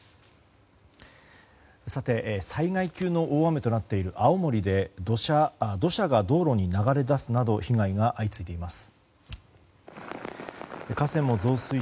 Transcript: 災害級の大雨となっている青森で土砂が道路に流れ出すなど被害が相次いでいます。